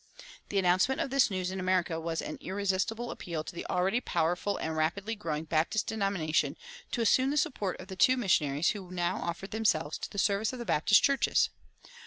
The announcement of this news in America was an irresistible appeal to the already powerful and rapidly growing Baptist denomination to assume the support of the two missionaries who now offered themselves to the service of the Baptist churches.